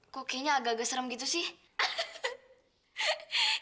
kok kayaknya agak agak serem gitu sih